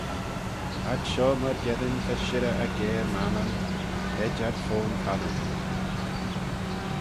Ad shoh myrgeddin ta shirrey aggair m'annym: hed ad fo'n thalloo.